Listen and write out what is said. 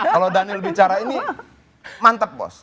kalau daniel bicara ini mantep bos